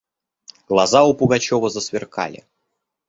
Глаза у Пугачева засверкали.